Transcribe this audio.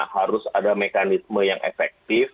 harus ada mekanisme yang efektif